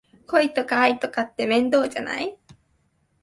恋とか愛とかって面倒じゃない？